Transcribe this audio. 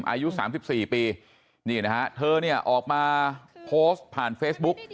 อายุ๓๔ปีนี่นะฮะเธอเนี่ยออกมาโพสต์ผ่านเฟซบุ๊ก